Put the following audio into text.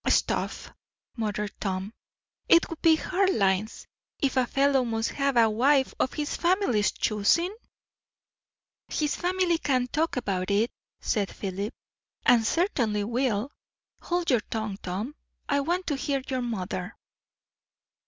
"Stuff!" muttered Tom. "It would be hard lines, if a fellow must have a wife of his family's choosing!" "His family can talk about it," said Philip, "and certainly will. Hold your tongue, Tom. I want to hear your mother."